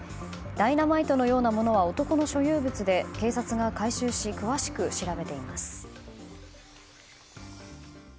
ダイナマイトのようなものは男の所有物で警察が回収し詳しく調べています。